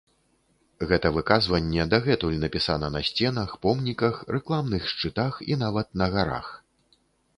Гэта выказванне дагэтуль напісана на сценах, помніках, рэкламных шчытах і нават на гарах.